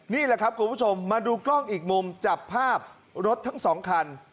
นี่แหละครับคุณผู้ชมมาดูกล้องอีกมุมจับภาพรถทั้งสองคัน